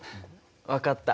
分かった。